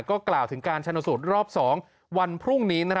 ก็กล่าวถึงการชนสูตรรอบ๒วันพรุ่งนี้